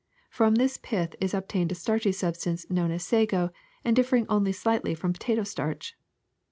From this pith is obtained a starchy substance known as sago and differing only slightly from potato starch.